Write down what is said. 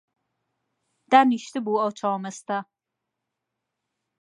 دانیشتبوو ئەو چاو مەستە